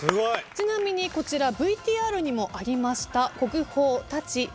ちなみにこちらＶＴＲにもありました。